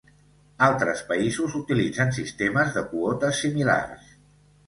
Altres països utilitzen sistemes de quotes similars.